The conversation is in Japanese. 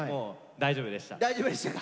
大丈夫でしたか。